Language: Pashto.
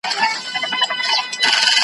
سیندونه کروندې خړوبوي.